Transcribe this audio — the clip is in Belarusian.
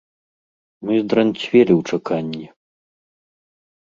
Мы здранцвелі ў чаканні.